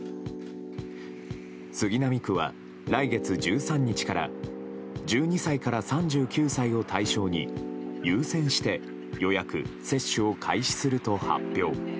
杉並区は、来月１３日から１２歳から３９歳を対象に優先して予約・接種を開始すると発表。